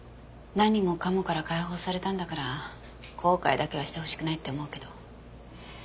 何もかもから解放されたんだから後悔だけはしてほしくないって思うけど。